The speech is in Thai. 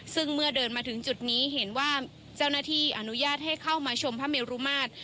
ซึ่งเมื่อเดินมาถึงจุดนี้เห็นว่าเจ้าหน้าที่อนุญาตให้เข้ามาชมพระเมรุมาตร